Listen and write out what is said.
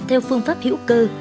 theo phương pháp hữu cơ